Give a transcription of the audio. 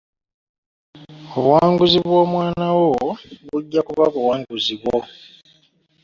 Obuwanguzi bw'omwana wo bujja kuba buwanguzi bwo.